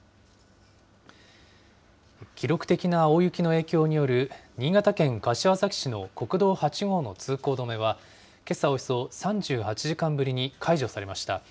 記録的な大雪の影響による新潟県柏崎市の国道８号の通行止めは、けさおよそ３８時間ぶりに解除されました。